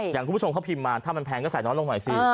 คุณผู้ชมเขาพิมพ์มาถ้ามันแพงก็ใส่น้อยลงหน่อยสิ